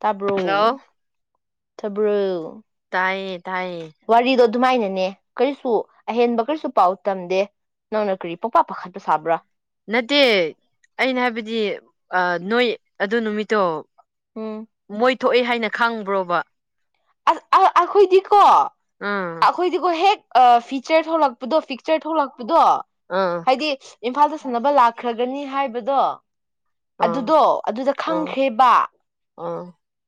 ꯇꯥꯕ꯭ꯔꯣ ꯍꯜꯂꯣ ꯇꯥꯕ꯭ꯔꯨ [inaudible] ꯇꯥꯏꯌꯦ ꯑꯗꯨꯃꯥꯏꯅꯅꯦ ꯀꯔꯤꯁꯨ ꯑꯍꯦꯟꯕ ꯀꯔꯤꯁꯨ ꯄꯥꯎ ꯇꯝꯗꯦ ꯅꯪꯅ ꯀꯔꯤ ꯄꯣꯛꯄꯥꯛ ꯄꯥꯈꯠꯄ ꯁꯥꯕ꯭ꯔꯥ ꯅꯠꯇꯦ ꯑꯩꯅ ꯍꯥꯏꯕꯗꯤ ꯑꯥ ꯅꯣꯏ ꯑꯗꯨ ꯅꯨꯃꯤꯠꯇꯣ ꯎꯝ ꯃꯣꯏ ꯊꯣꯛꯑꯦ ꯍꯥꯏꯅ ꯈꯪꯕ꯭ꯔꯣꯕ ꯑ ꯑ ꯑꯩꯈꯣꯏꯗꯤ ꯀꯣ ꯑꯥ ꯑꯩꯈꯣꯏꯗꯤꯀꯣ ꯍꯦꯛ ꯐꯤꯆꯔ ꯊꯣꯛꯂꯛꯄꯗꯣ ꯄꯤꯛꯆꯔ ꯊꯣꯛꯂꯛ ꯑꯥ [unintelligible] ꯍꯥꯏꯗꯤ ꯏꯝꯐꯥꯜꯗ ꯁꯥꯟꯅꯕ ꯂꯥꯛꯈ꯭ꯔꯒꯅꯤ ꯍꯥꯏꯕꯗꯣ ꯑꯥ ꯑꯗꯨꯗꯣ ꯑꯗꯨꯗ ꯑꯥ ꯈꯪꯈ꯭ꯔꯦꯕ ꯑꯥ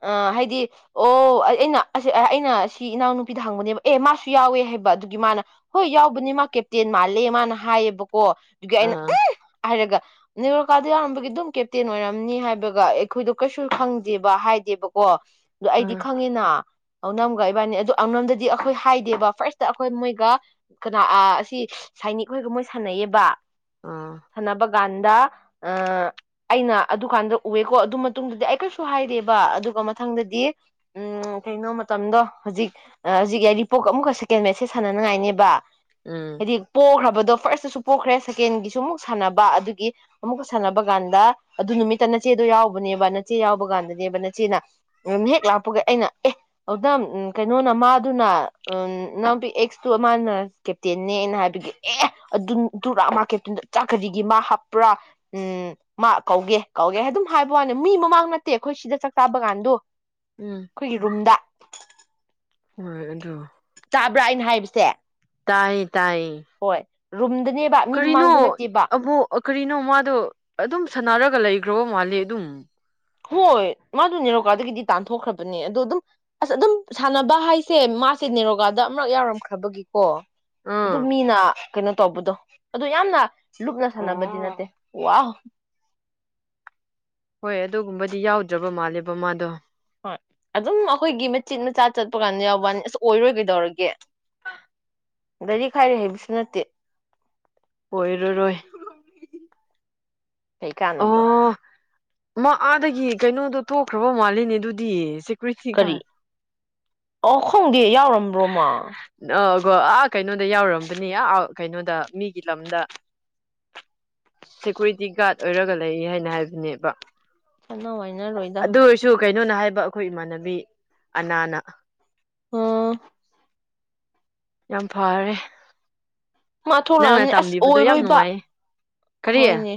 ꯑ ꯍꯥꯏꯗꯤ ꯗꯤ ꯑꯣ ꯑꯩꯅ ꯑꯁ ꯑꯩꯅ ꯁꯤ ꯏꯅꯥꯎꯅꯨꯄꯤꯗ ꯍꯪꯕꯅꯦꯕ ꯑꯦ ꯃꯥꯁꯨ ꯌꯥꯎꯋꯦ ꯍꯥꯏꯕ ꯑꯗꯨꯒꯤ ꯃꯥꯅ ꯍꯣꯏ ꯌꯥꯎꯕꯅꯤ ꯃꯥ ꯀꯦꯞꯇꯦꯟ ꯃꯥꯜꯂꯦ ꯃꯥꯅ ꯍꯥꯏꯌꯦꯕ ꯀꯣ ꯑꯗꯨꯒꯤ ꯑꯩꯅ ꯑꯥ ꯑꯦ ꯍꯥꯏꯔꯒ ꯅꯦꯔꯣꯀꯥꯗ ꯌꯥꯎꯔꯝꯕꯒꯤ ꯑꯗꯨꯝ ꯀꯦꯞꯇꯦꯟ ꯑꯣꯏꯔꯝꯅꯤ ꯍꯥꯏꯕꯒ ꯑꯩꯈꯣꯏꯗꯣ ꯀꯩꯁꯨ ꯈꯪꯗꯦꯕ ꯍꯥꯏꯗꯦꯕꯀꯣ ꯑꯗꯨ ꯑꯩꯗꯤ ꯑꯥ ꯈꯪꯉꯤꯅ ꯑꯧꯅꯝꯒ ꯏꯕꯥꯅꯤ ꯑꯗꯣ ꯑꯧꯅꯝꯗꯗꯤ ꯑꯩꯈꯣꯏ ꯍꯥꯏꯗꯦꯕ ꯐꯥꯔꯁꯇ ꯑꯩꯈꯣꯏ ꯃꯣꯏꯒ ꯀꯅꯥ ꯑꯁꯤ ꯁꯥꯏꯅꯤꯛ ꯍꯣꯏꯒ ꯃꯣꯏ ꯁꯥꯟꯅꯩꯌꯦꯕ ꯑꯥ ꯁꯥꯟꯅꯕ ꯀꯥꯟꯗ ꯑꯥ ꯑꯩꯅ ꯑꯗꯨꯀꯥꯟꯗ ꯎꯑꯦꯀꯣ ꯑꯗꯨ ꯃꯇꯨꯡꯗꯗꯤ ꯑꯩ ꯀꯩꯁꯨ ꯍꯥꯏꯔꯦꯕ ꯑꯗꯨꯒ ꯃꯊꯪꯗꯗꯤ ꯎꯝ ꯀꯩꯅꯣ ꯃꯇꯝꯗꯣ ꯍꯧꯖꯤꯛ ꯍꯧꯖꯤꯛ ꯌꯥꯏꯔꯤꯄꯣꯛ ꯑꯃꯨꯛꯀ ꯁꯦꯀꯦꯟ ꯃꯦꯠꯁ ꯁꯦ ꯁꯥꯟꯅꯅꯉꯥꯏꯅꯦꯕ ꯎꯝ ꯍꯥꯏꯗꯤ ꯄꯣꯈ꯭ꯔꯕ- ꯑꯗꯣ ꯐꯥꯔꯁꯇꯁꯨ ꯄꯣꯈ꯭ꯔꯦ ꯁꯦꯀꯦꯟꯒꯤꯁꯨ ꯑꯃꯨꯛ ꯁꯥꯟꯅꯕ ꯑꯗꯨꯒꯤ ꯑꯃꯨꯛꯀ ꯁꯥꯟꯅꯕ ꯀꯥꯟꯗ ꯑꯗꯨ ꯅꯨꯃꯤꯠꯇ ꯅꯆꯦꯗꯣ ꯌꯥꯎꯕꯅꯦꯕ ꯅꯆꯦ ꯌꯥꯎꯕ ꯀꯥꯟꯗꯅꯦꯕ ꯅꯆꯦꯅ ꯎꯝ ꯍꯦꯛ ꯂꯥꯛꯄꯒ ꯑꯩꯅ ꯑꯦ ꯑꯗꯨꯗ ꯎꯝ ꯀꯩꯅꯣꯅ ꯃꯥꯗꯨꯅ ꯎꯝ [unintelligible] ꯑꯦꯛꯁꯇꯨ ꯃꯥꯅ ꯀꯦꯞꯇꯦꯟꯅꯦ ꯑꯩꯅ ꯍꯥꯏꯕꯒꯤ ꯑꯦ ꯑꯗꯨ ꯑꯗꯨꯔ ꯃꯥ ꯀꯦꯞꯇꯦꯟꯗꯨ ꯑꯆꯥ ꯀꯔꯤꯒꯤ ꯃꯥ ꯍꯥꯞꯄ꯭ꯔꯥ ꯎꯝ ꯃꯥ ꯀꯧꯒꯦ ꯀꯧꯒꯦ ꯍꯥꯏ ꯑꯗꯨꯝ ꯍꯥꯏꯕ ꯋꯥꯅꯤ ꯃꯤ ꯃꯃꯥꯡ ꯅꯠꯇꯦ ꯑꯩꯈꯣꯏ ꯁꯤꯗ ꯆꯥꯛ ꯆꯥꯕ ꯀꯥꯟꯗꯣ ꯎꯝ ꯑꯩꯈꯣꯏꯒꯤ ꯔꯨꯝꯗ ꯍꯣꯏ ꯗꯣ ꯕ꯭ꯔꯥ ꯑꯩꯅ ꯍꯥꯏꯕꯁꯦ ꯇꯥꯏ ꯇꯥꯏꯌꯦ ꯍꯣꯏ ꯔꯨꯝꯗꯅꯦꯕ ꯃꯤ ꯀꯔꯤꯅꯣ ꯃꯃꯥꯡꯗ ꯅꯠꯇꯦꯕ ꯑꯃꯨꯛ ꯀꯔꯤꯅꯣ ꯃꯥꯗꯣ ꯑꯗꯨꯝ ꯁꯥꯟꯅꯔꯒ ꯂꯩ [inaudible] ꯃꯥꯜꯂꯦ ꯑꯗꯨꯝ ꯍꯣꯏ ꯃꯥꯗꯣ ꯅꯦꯔꯣꯀꯥꯗꯒꯤꯗꯤ ꯇꯥꯟꯊꯣꯛꯈ꯭ꯔꯕꯅꯦ ꯑꯗꯨ ꯑꯗꯨꯝ ꯑꯁ ꯑꯗꯨꯝ ꯁꯥꯟꯅꯕ ꯍꯥꯏꯁꯦ ꯃꯥꯁꯦ ꯅꯦꯔꯣꯀꯥꯗ ꯑꯃꯔꯛ ꯌꯥꯎꯔꯝꯈ꯭ꯔꯕꯒꯤꯀꯣ ꯑꯗꯨꯝ ꯑꯥ ꯃꯤꯅ ꯀꯩꯅꯣ ꯇꯧꯕꯗꯣ ꯑꯗꯨ ꯌꯥꯝꯅ ꯂꯨꯞꯅ ꯁꯥꯟꯅꯕꯗꯤ ꯅꯠꯇꯦ ꯋꯥ ꯍꯣꯏ ꯑꯗꯨꯒꯨꯝꯕꯗꯤ ꯌꯥꯎꯗ꯭ꯔꯕ ꯃꯥꯜꯂꯦꯕ ꯃꯥꯗꯣ ꯍꯣꯏ ꯑꯗꯨꯝ ꯑꯩꯈꯣꯏꯒꯤ ꯃꯆꯤꯠ ꯃꯆꯥ ꯆꯠꯄ ꯀꯥꯟꯗ ꯌꯥꯎꯕꯋꯥꯅꯤ ꯑꯁ ꯑꯣꯏꯔꯣꯏ ꯀꯩꯗꯧꯔꯒꯦ ꯂꯥꯏꯔꯤꯛ ꯍꯥꯏꯔꯦ ꯍꯩꯕꯁꯨ ꯅꯠꯇꯦ ꯑꯣꯏꯔꯔꯣꯏ ꯀꯩ ꯀꯥꯟꯅꯕ ꯑꯣ ꯃꯥ ꯑꯥꯗꯒꯤ ꯀꯩꯅꯣꯗꯣ ꯊꯣꯛꯈ꯭ꯔꯕ ꯃꯥꯜꯂꯤꯅꯦ ꯑꯗꯨꯗꯤ [unintelligible] ꯀꯔꯤ ꯑꯣ ꯈꯪꯗꯦ ꯌꯥꯎꯔꯝꯕ꯭ꯔꯣ ꯃꯥ [inaudible] ꯑꯥ ꯀꯩꯅꯣꯗ ꯌꯥꯎꯔꯝꯕꯅꯦ ꯑꯥ ꯀꯩꯅꯣꯗ ꯃꯤꯒꯤ ꯂꯝꯗ ꯁꯦꯀ꯭ꯨꯔꯤꯇꯤ ꯒꯥꯔꯗ ꯑꯣꯏꯔꯒ ꯂꯩ ꯍꯥꯏꯅ ꯍꯥꯏꯕꯅꯦꯕ ꯆꯠꯅ ꯋꯥꯏꯅꯔꯣꯏꯗ ꯑꯗꯨ ꯑꯣꯏꯔꯁꯨ ꯀꯩꯅꯣꯅ ꯍꯥꯏꯕ ꯑꯩꯈꯣꯏ ꯏꯃꯥꯟꯅꯕꯤ ꯑꯅꯥꯅ ꯑꯝ ꯌꯥꯝ ꯐꯔꯦ ꯃꯥ ꯅꯪꯅ ꯊꯣꯛꯂꯛꯑꯝꯅꯤ ꯑꯁ ꯇꯝꯕꯤꯕꯗꯣ ꯌꯥꯝ ꯑꯣꯏꯔꯣꯏꯕ ꯅꯨꯡꯉꯥꯏꯌꯦ ꯀꯔꯤ ꯍꯣꯏꯅꯦ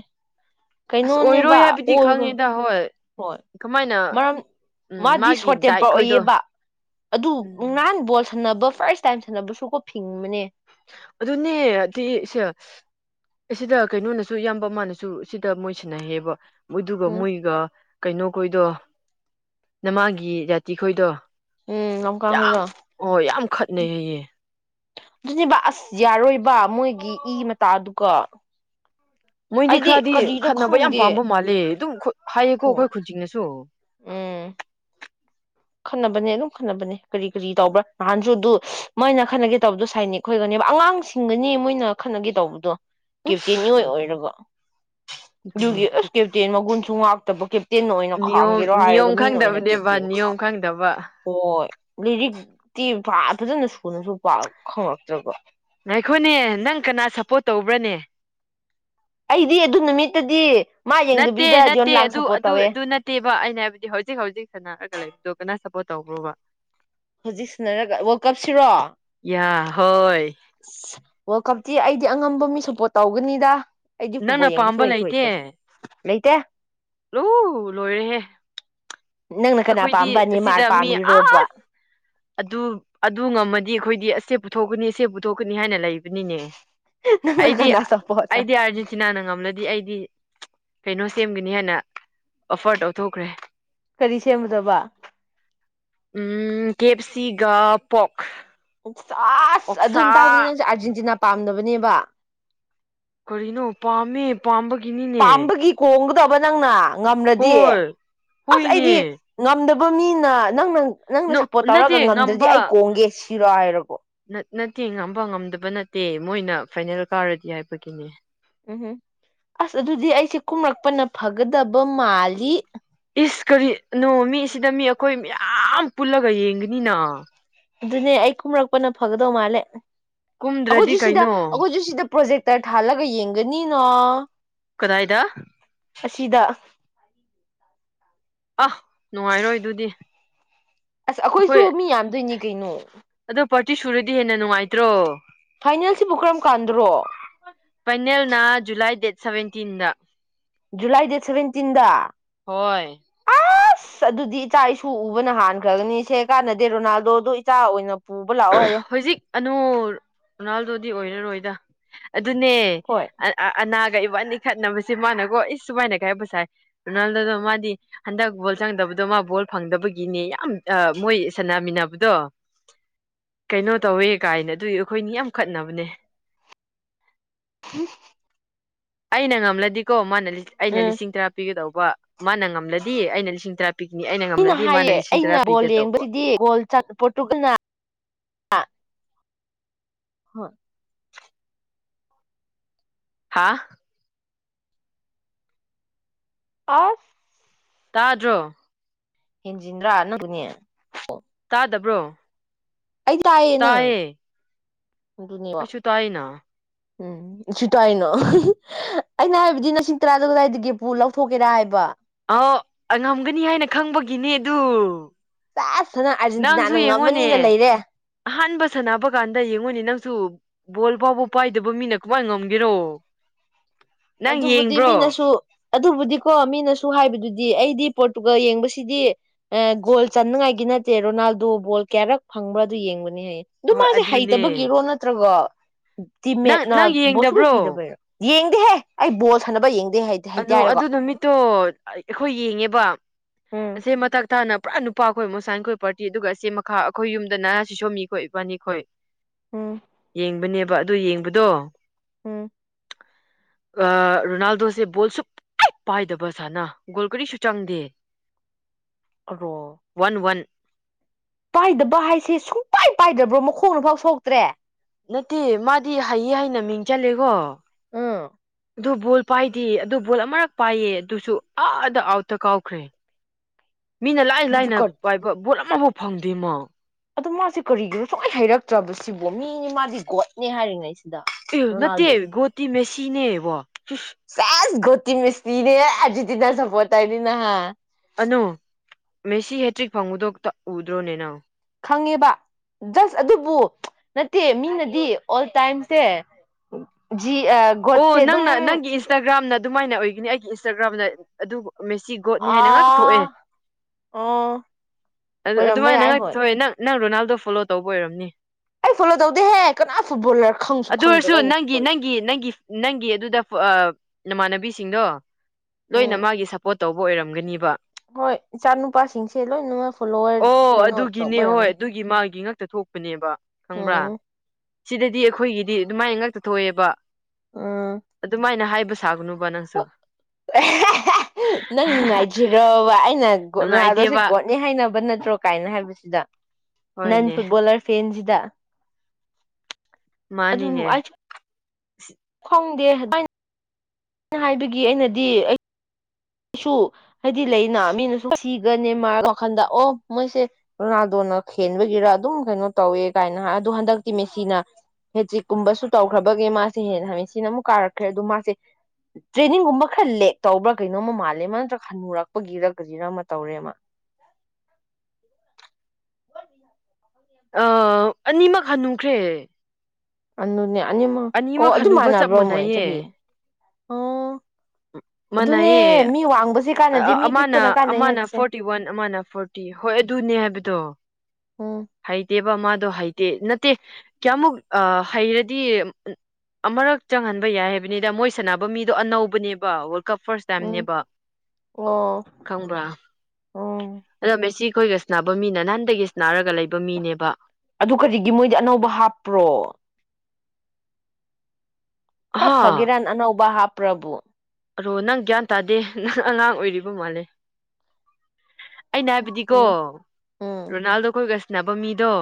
ꯑꯁ ꯑꯣꯏꯔꯣꯏ ꯀꯩꯅꯣꯅꯦꯕ ꯍꯥꯏꯕꯗꯤ ꯑꯣꯏꯔꯣꯏ ꯈꯪꯉꯦꯗ ꯍꯣꯏ ꯍꯣꯏ ꯀꯃꯥꯏꯅ ꯃꯔꯝ ꯎꯝ ꯃꯥꯗꯤ ꯃꯥꯒꯤ ꯁꯣꯔꯠ ꯗꯥꯏꯠ ꯇꯦꯝꯄꯔ ꯈꯣꯏꯗꯣ ꯑꯣꯏꯌꯦꯕ ꯑꯗꯨ ꯎꯝ ꯅꯍꯥꯟ ꯁꯥꯟꯅꯕ ꯐꯥꯔꯁꯠ ꯇꯥꯏꯝ ꯁꯥꯟꯅꯕꯁꯨꯀꯣ ꯐꯤꯡꯕꯅꯦ ꯑꯗꯨꯅꯦꯗꯤꯁꯦ ꯁꯤꯗ ꯀꯩꯅꯣꯅꯁꯨ ꯏꯌꯥꯝꯕ ꯃꯥꯅꯁꯨ ꯁꯤꯗ ꯃꯣꯏ ꯁꯤꯟꯅꯩ ꯍꯥꯏꯕ ꯃꯗꯨꯒ ꯎꯝ ꯃꯣꯏꯒ ꯀꯩꯅꯣꯈꯣꯏꯗꯣ ꯅꯃꯥꯒꯤ ꯖꯥꯇꯤ ꯈꯣꯏꯗꯣ ꯎꯝ ꯂꯝꯀꯥꯡ ꯌꯥꯝ ꯍꯣꯏꯔꯣ ꯑꯣ ꯌꯥꯝ ꯈꯠꯅꯩ ꯍꯥꯏꯌꯦ ꯑꯗꯨꯅꯦꯕ ꯑꯁ ꯌꯥꯔꯣꯏꯕ ꯃꯣꯏꯒꯤ ꯏ ꯃꯇꯥꯗꯨꯒ ꯃꯣꯏꯗꯤ ꯑꯩꯗꯤ ꯈꯔꯗꯤ ꯀꯔꯤꯔ ꯈꯠꯅꯕ ꯌꯥꯝ ꯈꯪꯗꯦ ꯄꯥꯝꯕ ꯃꯥꯜꯂꯦ ꯑꯗꯨꯝ ꯍꯥꯏꯌꯦꯀꯣ ꯍꯣꯏ ꯑꯩꯈꯣꯏ ꯈꯨꯜꯁꯤꯡꯅꯁꯨ ꯎꯝ ꯈꯠꯅꯕꯅꯦ ꯑꯗꯨꯝ ꯈꯠꯅꯕꯅꯦ ꯀꯔꯤ ꯀꯔꯤ ꯇꯧꯕ꯭ꯔꯥ ꯅꯍꯥꯟꯁꯨꯗꯨ ꯃꯣꯏꯅ ꯈꯠꯟꯅꯒꯦ ꯇꯧꯕꯗꯨꯣ ꯁꯥꯏꯅꯤꯛ ꯈꯣꯏꯒꯅꯦꯕ ꯑꯉꯥꯡꯁꯤꯡꯒꯅꯤ ꯃꯣꯏꯅ ꯈꯠꯅꯒꯦ ꯇꯧꯕꯗꯣ ꯀꯦꯞꯇꯦꯟ ꯏꯑꯣꯏ ꯑꯣꯏꯔꯒ ꯑꯗꯨꯅꯦ ꯑꯗꯨꯒꯤ ꯑꯁ ꯀꯦꯞꯇꯦꯟ ꯃꯒꯨꯟꯁꯨ ꯉꯥꯛꯇꯕ ꯀꯦꯞꯇꯦꯟ ꯑꯣꯏꯅ ꯅꯤꯌꯣꯝ ꯈꯥꯡꯒꯦꯔꯣ ꯍꯥꯏꯔꯒ ꯅꯤꯌꯣꯝ ꯃꯤꯅ ꯑꯣꯏꯅ ꯈꯪꯗꯕꯅꯦꯕ ꯀꯦꯞꯇꯦꯟ ꯈꯥ ꯅꯤꯌꯣꯝ ꯈꯪꯗꯕ ꯍꯣꯏ ꯂꯥꯏꯔꯤꯛꯗꯤ ꯐꯖꯅ ꯁꯨꯅꯁꯨ ꯄꯥꯛ ꯈꯪꯉꯛꯇ꯭ꯔꯕꯣ ꯉꯥꯏꯈꯣꯅꯦ ꯅꯪ ꯀꯅꯥ ꯁꯞꯄꯣꯔꯠ ꯇꯧꯕ꯭ꯔꯥꯅꯦ ꯑꯩꯗꯤ ꯑꯗꯨ ꯅꯨꯃꯤꯠꯇꯨꯗꯤ ꯅꯠꯇꯦ ꯅꯠꯇꯦ ꯑꯗꯨ ꯑꯗꯨ ꯑꯗꯨ ꯅꯠꯇꯦꯕ ꯑꯩꯅ ꯍꯥꯏꯕꯗꯤ ꯍꯧꯖꯤꯛ ꯍꯧꯖꯤꯛ ꯁꯥꯟꯅꯔꯒ ꯂꯩꯕꯗꯣ ꯀꯅꯥ ꯁꯞꯄꯣꯔꯠ ꯇꯧꯔꯨꯕ ꯍꯧꯖꯤꯛꯁꯤꯅꯔꯒ ꯋꯥꯔꯜ ꯀꯞꯁꯤꯔꯣ ꯌꯥ [unintelligible] ꯋꯥꯔꯜ ꯀꯞꯇꯤ ꯑꯩꯗꯤ ꯑꯉꯝꯕ ꯃꯤ ꯁꯞꯄꯣꯔꯠ ꯇꯧꯒꯅꯤꯗ ꯑꯩꯁꯨ ꯅꯪꯅ ꯐꯨꯕꯣꯜ ꯌꯦꯡꯕꯁꯨ ꯄꯥꯝꯕ ꯍꯩꯁꯨ ꯂꯩꯇꯦ ꯍꯩꯇ꯭ꯔꯒ ꯂꯩꯇꯦ ꯂꯨ ꯂꯣꯏꯔꯦꯍꯦ ꯅꯪꯅ ꯀꯅꯥ ꯑꯩꯈꯣꯏꯗꯤ ꯄꯥꯝꯕ ꯅꯦꯃꯥꯔ ꯑꯁꯤꯗ ꯃꯤ ꯑꯁ ꯄꯥꯝꯔꯤꯔꯣꯕ ꯑꯗꯨ ꯑꯗꯨ ꯉꯝꯃꯗꯤ ꯑꯩꯈꯣꯏ ꯑꯁꯦ ꯄꯨꯊꯣꯛꯀꯅꯤ ꯑꯁꯦ ꯄꯨꯊꯣꯛꯀꯅꯤ ꯍꯥꯏꯅ ꯂꯩ ꯅꯦ ꯅꯪꯅ ꯑꯩꯗꯤ ꯀꯅꯥ ꯁꯞꯄꯣꯔꯠ ꯇꯧ ꯑꯩꯗꯤ ꯑꯥꯔꯖꯦꯟꯇꯤꯅꯥꯅ ꯉꯝꯂꯗꯤ ꯑꯩꯗꯤ ꯀꯩꯅꯣ ꯁꯦꯝꯒꯅꯤ ꯍꯥꯏꯅ ꯑꯣꯐꯔ ꯇꯧꯊꯣꯛꯈ꯭ꯔꯦ ꯀꯔꯤ ꯁꯦꯝꯒꯗꯕ ꯁꯤꯒꯥ ꯄꯣꯛ ꯑꯥꯁ ꯑꯣꯛꯁꯥ ꯑꯗꯨꯅ ꯇꯥꯛꯄꯗꯤ ꯅꯪꯁꯦ ꯑꯥꯔꯖꯦꯟꯇꯤꯅꯥ ꯄꯥꯝꯗꯕ ꯕꯅꯦꯕ ꯀ꯭ꯔꯤꯅꯣ ꯄꯥꯝꯃꯦ ꯄꯥꯝꯕꯒꯤ ꯄꯥꯝꯕꯒꯤ ꯀꯣꯡꯒ ꯇꯧꯕ ꯅꯪꯅ ꯉꯝꯂꯗꯤ ꯍꯣꯏ ꯑꯁ ꯍꯣꯏꯅꯦ ꯑꯩꯗꯤ ꯉꯝꯗꯕ ꯃꯥ ꯃꯤꯅ ꯅꯪ ꯅꯪ ꯅꯣ ꯅꯠꯇꯦ ꯉꯝꯕ ꯁꯤꯔꯣ ꯍꯥꯏꯔꯕꯣ ꯅꯠꯇꯦ ꯉꯝꯕ ꯉꯝꯗꯕ ꯅꯠꯇꯦ ꯃꯣꯏꯅ ꯐꯥꯏꯅꯦꯜ ꯀꯥꯔꯗꯤ ꯍꯥꯏꯕꯒꯤꯅꯦ ꯎꯝ ꯍꯨꯝ ꯑꯁ ꯑꯗꯨꯗꯤ ꯑꯩꯁꯦ ꯀꯨꯝꯔꯛꯄꯅ ꯐꯒꯗꯕ ꯃꯥꯜꯂꯤ ꯏꯁ ꯀꯔꯤ ꯅꯣ ꯃꯤ ꯁꯤꯗ ꯃꯤ ꯑꯈꯣꯏ ꯃꯌꯥꯝ ꯄꯨꯜꯂꯒ ꯌꯦꯡꯒꯅꯤꯅ ꯑꯗꯨꯅꯦ ꯑꯩ ꯀꯨꯝꯔꯛꯄꯅ ꯐꯒꯗꯧ ꯃꯥꯜꯂꯦ ꯀꯨꯝꯗ꯭ꯔꯗꯤ ꯑꯩꯈꯣꯏꯁꯨ ꯁꯤꯗ ꯀꯩꯅꯣ ꯑꯈꯣꯏꯁꯨ ꯁꯤꯗ ꯄ꯭ꯔꯣꯖꯦꯛꯇꯔ ꯊꯥꯍꯜꯂꯒ ꯌꯦꯡꯒꯅꯤꯅ ꯀꯗꯥꯏꯗ ꯑꯁꯤꯗ [inaudible] ꯑꯍ ꯅꯨꯡꯉꯥꯏꯔꯣꯏ ꯑꯗꯨꯗꯤ ꯑꯁ ꯑꯩꯈꯣꯏꯁꯨ ꯑꯩꯈꯣꯏ ꯃꯤ ꯌꯥꯝꯗꯣꯏꯅꯤ ꯀꯩꯅꯣ ꯑꯗꯣ ꯄꯥꯔꯇꯤ ꯁꯨꯔꯗꯤ ꯍꯦꯟꯅ ꯅꯨꯡꯉꯥꯏꯇ꯭ꯔꯣ ꯐꯥꯏꯅꯦꯜꯁꯤꯕꯨ ꯀꯔꯝ ꯀꯥꯟꯗꯔꯣ ꯐꯥꯏꯅꯦꯜꯅ ꯖꯨꯂꯥꯏ ꯗꯦꯠ ꯁꯚꯦꯟꯇꯤꯟꯗ ꯖꯨꯂꯥꯏ ꯗꯦꯠ ꯁꯚꯦꯟꯇꯤꯟꯗ ꯍꯣꯏ ꯑꯁ ꯑꯁ ꯑꯗꯨꯗꯤ ꯏꯆꯥ ꯏꯁꯨ ꯎꯕꯅ ꯍꯥꯟꯈ꯭ꯔꯒꯅꯤ ꯁꯦ ꯀꯥꯟꯅꯗꯦ ꯔꯣꯅꯥꯜꯗꯣꯗꯣ ꯏꯆꯥ ꯑꯣꯏꯅ ꯄꯨꯕ ꯑ ꯂꯥꯛꯑꯣ ꯍ ꯍꯥꯏꯌꯣ ꯍꯧꯖꯤꯛ ꯑꯅꯣ ꯔꯣꯅꯥꯜꯗꯣꯗꯤ ꯑꯣꯏꯔꯔꯣꯏꯗ ꯑꯗꯨꯅꯦ ꯍꯣꯏ ꯑꯟ ꯑ ꯑꯅꯥ ꯒ ꯏꯕꯥꯅꯤꯛ ꯈꯠꯅꯕꯁꯤ ꯃꯥꯅꯀꯣ ꯏꯁ ꯁꯨꯃꯥꯏꯅꯒ ꯍꯥꯏꯕ ꯁꯥꯏ ꯔꯣꯅꯥꯜꯗꯣꯗꯣ ꯃꯥꯗꯤ ꯍꯟꯗꯛ ꯒꯣꯜ ꯆꯪꯗꯕꯗꯣ ꯃꯥ ꯕꯣꯜ ꯐꯪꯗꯕꯒꯤꯅꯦ ꯌꯥꯝ ꯑ ꯃꯣꯏ ꯁꯥꯟꯅꯃꯤꯟꯅꯕꯗꯣ ꯀꯩꯅꯣ ꯇꯧꯋꯦ ꯀꯥꯏꯅ ꯑꯗꯨꯏ ꯑꯩꯈꯣꯏꯅꯤ ꯌꯥꯝ ꯈꯠꯅꯕꯅꯦ ꯑꯩꯅ ꯉꯝꯂꯗꯤꯀꯣ ꯃꯥꯥꯟꯅ ꯑꯩꯅ ꯎꯝ ꯂꯤꯁꯤꯡ ꯇꯔꯥ ꯄꯤꯒꯗꯧ ꯕ꯭ꯋ ꯃꯥꯅ ꯉꯝꯂꯗꯤ ꯑꯩꯅ ꯂꯤꯁꯤꯡ ꯇꯔꯥ ꯄꯤꯒꯅꯤ ꯑꯩꯅ ꯉꯝꯂꯗꯤ ꯃꯥꯅ ꯍꯥꯏꯌꯦ ꯂꯤꯁꯤꯡ ꯑꯩꯅ ꯇꯔꯥ ꯕꯣꯜ ꯄꯤꯒꯗꯧꯕ ꯌꯦꯡꯕꯁꯤꯗꯤ ꯒꯣꯜ ꯆꯟ ꯄꯣꯠꯇꯨꯒꯜꯅ ꯑ ꯍꯣꯏ ꯑꯥ ꯑꯁ ꯇꯥꯗ꯭ꯔꯣ ꯍꯟꯖꯤꯟꯗ꯭ꯔꯥ ꯅꯪꯖꯨꯅꯤ ꯌꯥꯗꯕ꯭ꯔꯣ ꯑꯩ ꯇꯥꯌꯦ ꯅꯡ ꯑꯩꯁꯨ ꯇꯥꯏꯅꯥ ꯎꯝ ꯑꯩꯁꯨ ꯇꯥꯏꯅꯥ ꯑꯩꯅ ꯍꯥꯏꯕꯗꯤ ꯅꯁꯤꯡ ꯇꯔꯥꯗꯨ ꯀꯗꯥꯏꯗꯒꯤ ꯄꯨ ꯂꯧꯊꯣꯛꯀꯦꯔꯥ ꯍꯥꯏꯕ ꯑꯣ ꯑꯉꯝꯒꯅꯤ ꯍꯥꯏꯅ ꯈꯡꯕꯒꯤꯅꯦ ꯑꯗꯨ ꯆꯥꯁꯅ ꯅꯡꯁꯨ ꯑꯥꯔꯖꯦꯟꯇꯤꯅꯥꯅ ꯌꯦꯡꯉꯣꯅꯦ ꯉꯝꯃꯅꯤꯅ ꯂꯩꯔꯦ ꯑꯍꯥꯟꯕ ꯁꯥꯟꯅꯕ ꯀꯥꯟꯗ ꯌꯦꯡꯉꯣꯅꯦ ꯅꯪꯁꯨ ꯕꯣꯜ ꯐꯥꯎꯕ ꯄꯥꯏꯗꯕ ꯃꯤꯅ ꯀꯃꯥꯏ ꯉꯝꯒꯦꯔꯣ ꯅꯪ ꯑꯗꯨꯕꯨꯗꯤ ꯌꯦꯡꯕ꯭ꯔꯣ ꯃꯤꯅꯁꯨ ꯑꯗꯨꯕꯨꯗꯤꯀꯣ ꯃꯤꯅꯁꯨ ꯍꯥꯏꯕꯗꯨꯗꯤ ꯑꯩꯗꯤ ꯄꯣꯔꯇꯨꯒꯜ ꯌꯦꯡꯕꯁꯤꯗꯤ ꯒꯣꯜ ꯆꯅꯉꯥꯏꯒꯤ ꯅꯠꯇꯦ ꯔꯣꯅꯥꯜꯗꯣ ꯕꯣꯜ ꯀꯌꯥꯔꯛ ꯐꯡꯕ꯭ꯔꯥ ꯑꯗꯨ ꯌꯦꯡꯕ ꯍꯥꯏꯌꯦ ꯑꯗꯨ ꯍꯣꯏ ꯃꯥꯁꯦ ꯑꯗꯨꯅꯦ ꯍꯩꯇꯕꯒꯤꯔꯣ ꯅꯠꯇ꯭ꯔꯒꯥ ꯅꯪ ꯇꯤꯃꯦꯠꯅ ꯅꯪ ꯕꯣꯠꯁꯨ ꯀ ꯌꯦꯡꯗꯕ꯭ꯔꯣ ꯄꯤꯗꯕꯩꯔꯣ ꯌꯦꯡ ꯗꯦꯍꯦ ꯑꯩ ꯕꯜ ꯁꯥꯟꯅꯕ ꯌꯦꯡꯕ ꯑꯣ ꯑꯗꯨ ꯅꯨꯃꯤꯠꯇꯣ ꯑꯩꯈꯣꯏ ꯌꯦꯡꯉꯦꯕ ꯎꯝ ꯑꯁꯦ ꯃꯇꯛ ꯇꯥꯅ ꯄꯨꯔꯥ ꯅꯨꯄꯥ ꯑꯩꯈꯣꯏ ꯃꯣꯁꯥꯅꯤꯈꯣꯏ ꯄꯥꯔꯇꯤ ꯑꯗꯨꯒ ꯆꯦ ꯃꯈꯥ ꯑꯩꯈꯣꯏ ꯌꯨꯝꯗ ꯅꯥ ꯁꯤꯁꯣꯝꯃꯤꯈꯣꯏ ꯏꯕꯥꯅꯤ ꯈꯈꯣꯏ ꯎꯝ ꯌꯦꯡꯕꯅꯦ ꯄꯥ ꯑꯗꯨ ꯌꯦꯡꯕꯗꯣ ꯎꯝ ꯑꯥ ꯔꯣꯅꯥꯜꯗꯣꯁ ꯕꯣꯜ ꯁꯨꯛ ꯀꯠ ꯄꯥꯏꯗꯕ ꯁꯥꯅ ꯒꯣꯜ ꯀꯔꯤꯁꯨ ꯆꯪꯗꯦ ꯑꯔꯣ ꯋꯥꯟ ꯋꯥꯟ ꯄꯥꯏꯗꯕ ꯍꯥꯏꯁꯦ ꯁꯨꯡꯄꯥꯏ ꯄꯥꯏꯗ꯭ꯔꯕ꯭ꯔꯣ ꯃꯈꯣꯡꯅꯐꯥꯎ ꯁꯣꯛꯇ꯭ꯔꯦ ꯅꯠꯇꯦ ꯃꯥꯗꯤ ꯍꯩꯌꯦ ꯍꯥꯏꯩꯅ ꯃꯤꯡ ꯆꯜꯂꯦꯀꯣ ꯑꯥ ꯑꯗꯨ ꯕꯣꯜ ꯄꯥꯏꯗꯦ ꯑꯗꯨ ꯕꯣꯜ ꯑꯃꯔꯛ ꯄꯥꯏꯌꯦ ꯑꯗꯨꯁꯨ ꯑꯥꯗ ꯑꯥꯎꯠꯇ ꯀꯥꯎꯈ꯭ꯔꯦ ꯃꯤꯅ ꯂꯥꯏ ꯑꯗꯨꯗꯤ ꯂꯥꯏꯅ ꯀꯔꯤ ꯄꯥꯏꯕ ꯕꯣꯠ ꯑꯃꯐꯥꯎ ꯐꯡꯗꯤꯃꯥ ꯑꯗꯣ ꯃꯥꯁꯦ ꯀꯔꯤꯒꯤꯅꯣ ꯁꯨꯡꯅ ꯍꯩꯔꯛꯇ꯭ꯔꯕ ꯁꯤꯕꯣ ꯃꯤꯅꯤ ꯃꯥꯗꯤ ꯒꯣꯗꯅꯦ ꯍꯥꯏꯔꯤꯉꯩꯁꯦ ꯑꯧ ꯅꯠꯇꯦ ꯣꯇ ꯃꯦꯁꯤꯅꯦꯕꯣ ꯆꯁ ꯃꯦꯁꯔꯤꯅꯦ ꯑꯔꯖꯦꯟꯇꯤꯟꯅ ꯁꯄ ꯇꯥꯏꯅꯤꯅꯍ ꯑꯅꯨ ꯃꯦꯁꯤ ꯍꯦꯇ꯭ꯔꯤꯛ ꯐꯡꯕꯗꯣꯇ ꯎꯗ꯭ꯔꯣꯅꯦꯅ ꯐꯉꯦꯕ ꯖꯁ ꯑꯗꯨꯕꯨ ꯅꯠꯇꯦ ꯃꯤꯅꯗꯤ ꯑꯣꯜ ꯇꯥꯏꯝꯁꯦ ꯖꯤ ꯑꯣ ꯒꯣꯠꯁꯦ ꯑꯗꯨꯝ ꯅꯡꯅ ꯅꯡꯒꯤ ꯏꯟꯁꯇꯥꯒ꯭ꯔꯥꯝ ꯅ ꯑꯗꯨꯃꯥꯏꯅ ꯑꯣꯏꯒꯅꯤ ꯑꯩꯒꯤ ꯏꯟꯁꯇꯥꯒ꯭ꯔꯥꯝꯗ ꯑꯗꯨꯕꯨ ꯃꯦꯁꯤ ꯒꯣꯠꯅꯤ ꯍꯥꯏꯅ ꯉꯥꯛꯇ ꯊꯣꯛꯑꯦ ꯑꯥ ꯑꯣ ꯑꯗꯨ ꯑꯣꯏꯔꯝꯕ ꯑꯗꯨꯃꯥꯏꯅ ꯌꯥꯏ ꯉꯥꯛꯇ ꯍꯣꯏ ꯊꯣꯛꯑꯦ ꯅꯡ ꯅꯡ ꯔꯣꯅꯥꯜ ꯑꯗꯣ ꯐꯣꯂꯣ ꯇꯧꯕ ꯑꯣꯏꯔꯝꯅꯤ ꯑꯩ ꯐꯣꯂꯣ ꯇꯧꯗꯦꯍꯦ ꯀꯅꯥ ꯐꯨꯠꯕꯣꯜꯂꯔ ꯈꯡꯁꯨ ꯈꯡꯗ꯭ꯔꯒ ꯑꯩꯅ ꯐꯨꯠꯕꯣꯜ ꯒꯤ ꯑꯗꯨꯗ ꯐꯣ ꯑ ꯅꯃꯥꯟꯅꯕꯤꯁꯤꯡꯗꯣ ꯂꯣꯏꯅ ꯎꯝ ꯃꯥꯒꯤ ꯁꯞꯄꯣꯔꯠ ꯇꯧꯕ ꯑꯣꯏꯔꯝꯒꯅꯤꯕ ꯍꯣꯏ ꯏꯆꯥ ꯅꯨꯨꯄꯥꯁꯤꯡꯁꯦ ꯂꯣꯏꯅꯃꯛ ꯐꯣꯂꯣꯋꯔ ꯀꯩꯅꯣ ꯇꯧꯕ ꯑꯣꯏꯔꯝꯅꯤ ꯇ ꯊꯣꯛꯄꯅꯦꯕ ꯈꯪꯕ꯭ꯔꯥ ꯎꯝ ꯁꯤꯗꯗꯤ ꯑꯩꯈꯣꯏꯒꯤꯗꯤ ꯑꯗꯨꯃꯥꯏꯅ ꯉꯛꯇ ꯊꯣꯛꯑꯦꯕ ꯎꯝ ꯑꯗꯨꯃꯥꯏꯅ ꯍꯥꯏ ꯕ ꯁꯥꯎꯒꯅꯨꯕ ꯅꯪꯁꯨ ꯍꯦ ꯍꯦ ꯍꯍ ꯅꯪ ꯅꯨꯡꯉꯥꯏꯇ꯭ꯔꯤꯔꯣꯕ ꯑꯩꯅ ꯥꯒꯣꯔꯠꯅꯥꯗꯣꯁꯦ ꯅꯨꯡꯉꯥꯏꯇꯦꯕ ꯒꯣꯔꯠꯅꯤ ꯍꯥꯏꯅꯕ ꯅꯠꯇ꯭ꯔꯣ ꯀꯥꯏꯅ ꯍꯥꯏꯕꯁꯤꯗ ꯅꯟ ꯍꯣꯏꯅꯦ ꯐꯨꯠꯕꯣꯂꯔ ꯐꯦꯟꯖꯤ ꯗ ꯃꯥꯅꯤꯅꯦ ꯈꯪꯗꯦ ꯑꯗꯨꯃꯥꯏꯅ ꯑꯩꯅ ꯍꯥꯏꯕꯒꯤ ꯑꯩꯅꯗꯤ ꯑꯩ ꯑꯩꯁꯨ ꯍꯥꯏꯗꯤ ꯂꯩꯅ ꯃꯤꯅꯁꯨ ꯃꯦꯁꯤꯒ ꯅꯦꯃꯥꯔꯒ ꯋꯥꯈꯜꯗ ꯑꯣ ꯃꯣꯏꯁꯦ ꯔꯣꯅꯥꯜꯗꯣꯅ ꯈꯦꯟꯕꯒꯤꯔ ꯑꯗꯨꯝ ꯀꯩꯅꯣ ꯇꯧꯋꯦ ꯀꯥꯏꯅ ꯍꯥꯏ ꯑꯗꯣ ꯍꯟꯗꯛꯇꯤ ꯃꯦꯁꯤꯅ ꯍꯦꯇ꯭ꯔꯤꯛꯀꯨꯝꯕꯁꯨ ꯇꯧꯈ꯭ꯔꯕꯒꯤ ꯃꯥꯁꯤ ꯍꯦꯟꯅ ꯃꯦꯁꯤꯅ ꯑꯃꯨꯛ ꯀꯥꯔꯛꯈ꯭ꯔꯦ ꯑꯗ ꯃꯥꯁꯦ ꯇ꯭ꯔꯦꯅꯤꯡꯒꯨꯝꯕ ꯈꯔ ꯂꯦꯛ ꯇꯧꯕ꯭ꯔꯥ ꯀꯩꯅꯣꯝꯃ ꯃꯥꯜꯂꯦ ꯂꯦꯃ ꯅꯠꯇ꯭ꯔꯒ ꯈꯟꯅꯨꯔꯛꯄꯒꯤꯔ ꯀꯔꯤꯔ ꯑꯃ ꯇꯧꯔꯦ ꯃꯥ ꯋꯥꯏꯕꯤ ꯌꯥꯕꯅꯦꯕ ꯑ ꯑꯅꯤꯃꯛ ꯍꯟꯅꯨꯈ꯭ꯔꯦ ꯑꯅꯣꯅꯦ ꯑꯅꯤꯃ ꯑꯣ ꯑꯅꯤꯃꯛ ꯑꯗꯨꯝ ꯍꯟꯅꯨꯕ ꯆꯞ ꯃꯥꯟꯅꯕ꯭ꯔꯣ ꯃꯣꯏ ꯆꯍꯤ ꯃꯥꯟꯅꯩꯌꯦ ꯑꯣ ꯑꯗꯨꯅꯦ ꯃꯥꯅꯩꯌꯦ ꯃꯤ ꯋꯥꯡꯕꯁꯦ ꯀꯥꯟꯅꯗꯦ ꯑ ꯃꯤ ꯄꯤꯛꯄꯅ ꯑꯃꯅ ꯀꯥꯟꯅꯩ ꯑꯃꯅ ꯍꯥꯏꯕꯁꯦ ꯐꯣꯔꯇꯤ ꯋꯥꯟ ꯑꯃꯅ ꯐꯣꯔꯇꯤ ꯍꯣꯏ ꯑꯗꯨꯅꯦ ꯍꯥꯏꯕꯗꯣ ꯎꯝ ꯍꯩꯇꯦꯕ ꯃꯥ ꯑꯗꯣ ꯍꯩꯇꯦ ꯅꯠꯇꯦ ꯀꯌꯥꯃꯨꯛ ꯑ ꯍꯩꯔꯗꯤ ꯑꯃꯔꯛ ꯆꯪꯍꯟꯕ ꯌꯥꯏ ꯍꯥꯏꯕꯅꯤꯗ ꯃꯣꯏ ꯁꯥꯟꯅꯕ ꯃꯤꯗꯣ ꯑꯅꯧꯕꯅꯦꯕ ꯋꯥꯔꯜ ꯀꯞ ꯐꯥꯔꯁ ꯎꯝ ꯇꯥꯏꯝꯅꯦꯕ ꯑꯣ ꯈꯪꯕ꯭ꯔꯥ ꯎꯝ ꯑꯗꯣ ꯃꯦꯁꯤ ꯑꯩꯈꯣꯏꯒ ꯁꯅꯥꯕ ꯃꯤꯅ ꯅꯍꯥꯟꯗꯒꯤ ꯁꯅꯥꯔꯒ ꯂꯩ ꯄ ꯃꯤꯅꯦꯕ ꯑꯗꯨ ꯀꯔꯤꯒꯤ ꯃꯣꯏꯗꯤ ꯑꯅꯧꯕ ꯍꯥꯞꯄ꯭ꯔꯣ ꯀꯞ ꯍꯥ ꯐꯒꯦꯔꯥꯟ ꯑꯅꯧꯕ ꯍꯥꯞ ꯄ꯭ꯔꯚꯨ ꯑꯣ ꯅꯪ ꯒ꯭ꯌꯥꯟ ꯇꯥꯗꯦ ꯅꯪ ꯑꯉꯥꯡ ꯑꯣꯏꯔꯤꯕ ꯃꯥꯜꯂꯦ ꯑꯩꯅ ꯍꯥꯏꯕꯗꯤꯀꯣ ꯎꯝ ꯎꯝ ꯔꯣꯅꯥꯜꯗꯣ ꯈꯣꯏꯒꯥ ꯁꯅꯥꯕ ꯃꯤꯗꯣ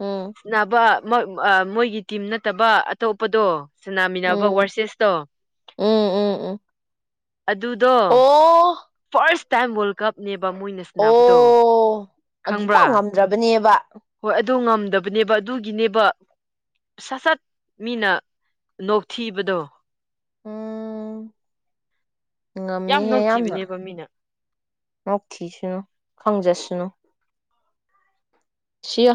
ꯎꯝ ꯁꯅꯥꯕ ꯃꯣꯏꯒꯤ ꯇꯤꯝ ꯅꯠꯇꯕ ꯑꯇꯣꯞꯄꯗꯣ ꯁꯅꯥꯃꯤꯟꯅꯕ ꯎꯝ ꯋꯥꯔꯁꯦꯁꯇꯣ ꯎꯝ ꯎꯝ ꯎꯝ ꯑꯗꯨꯗꯣ ꯑꯣ ꯐꯔꯁ ꯇꯥꯏꯝ ꯋꯥꯔꯜ ꯀꯞ ꯅꯦ ꯣꯏ ꯑꯣ ꯈꯕ ꯑꯗꯨꯐꯥꯎ ꯉꯝꯗ꯭ꯔꯕꯅꯦꯕ ꯍ ꯗꯕꯅꯦꯕ ꯑꯗꯨꯒꯤꯅꯦꯕ ꯁꯠ ꯁꯠ ꯃꯤꯅ ꯅꯣꯛꯊꯤꯕꯗꯣ ꯎꯥ ꯌꯥꯝ ꯅꯧꯊꯤꯕꯅꯦꯕ ꯃꯤꯅ ꯅꯣꯛꯊꯤꯁꯅꯨ ꯈꯪꯖꯁꯅꯨ ꯁꯤꯌꯥ